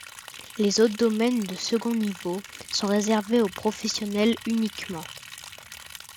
Les autres domaines de second niveau sont réservés aux professionnels uniquement.